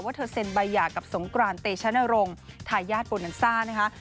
ว่าเธอเซ็นใบหย่ากับสงกรานเตชนะรงทายญาติโปรนันซ่านะครับ